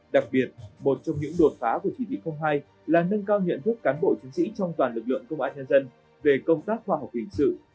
đặc biệt một trong những đột phá của chỉ thị hai là nâng cao nhận thức cán bộ chiến sĩ trong toàn lực lượng công an nhân dân về công tác khoa học hình sự